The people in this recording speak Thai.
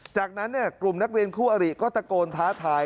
จากนั้นกลุ่มนักเรียนคู่อริก็ตะโกนท้าทาย